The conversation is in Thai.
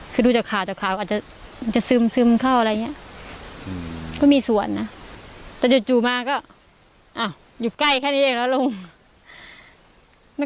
คือดูจะข่าวอาจจะซึมเข้าอะไรอย่างเงี้ย